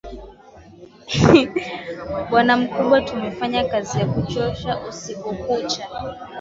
Bwana mkubwa, tumefanya kazi ya kuchosha usiku kucha.